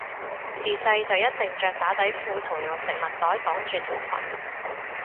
自細就一定着打底褲同用食物袋擋住條裙